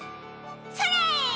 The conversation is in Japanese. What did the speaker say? それ！